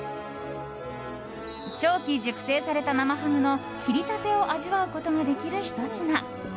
長期熟成された生ハムの切りたてを味わうことができるひと品。